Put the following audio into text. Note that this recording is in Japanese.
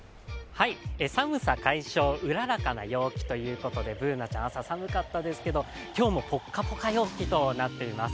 寒さ解消、うららかな陽気ということで、Ｂｏｏｎａちゃん、朝寒かったですけど、今日もぽっかぽか陽気となっています。